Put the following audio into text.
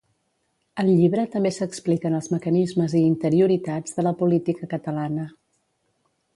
Al llibre també s'expliquen els mecanismes i interioritats de la política catalana.